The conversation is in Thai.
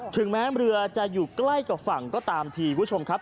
ถึงแม้เรือจะอยู่ใกล้กับฝั่งก็ตามทีคุณผู้ชมครับ